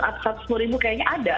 abis satu puluh ribu kayaknya ada